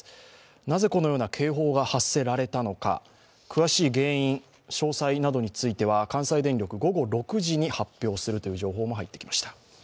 なぜこのような警報が発せられたのか、詳しい原因、詳細などについては関西電力、午後６時に発表するという情報も入ってきました。